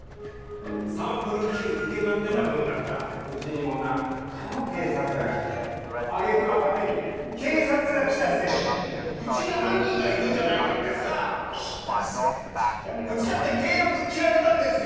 サンプルＱ受け取ってたもんだからウチにも何回も警察が来て揚げ句の果てに警察が来たせいでウチに犯人がいるんじゃないかってさ来たせいってウチだって契約切られたんですよ